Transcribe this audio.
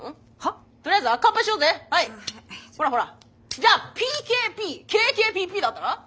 じゃあＰＫＰＫＫＰＰだったら？